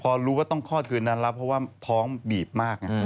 พอรู้ว่าต้องคลอดคืนนั้นแล้วเพราะว่าท้องบีบมาก